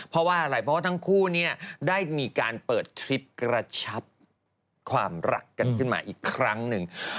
เพราะว่าอะไรเพราะว่าทั้งคู่เนี่ยได้มีการเปิดทริปกระชับความรักกันขึ้นมาอีกครั้งหนึ่ง